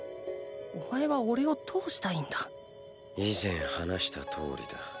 お前はおれをどうしたいんだ⁉以前話した通りだ。